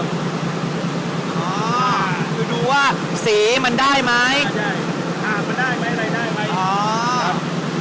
ดูว่าสีมันได้ไหมใช่อ่ามันได้ไหมอะไรได้ไหมอ๋อ